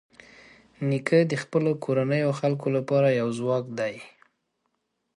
نیکه د خپلو کورنیو خلکو لپاره یو ځواک دی.